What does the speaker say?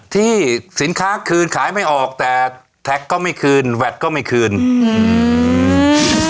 ที่สินค้าคืนขายไม่ออกแต่แท็กก็ไม่คืนแวดก็ไม่คืนอืม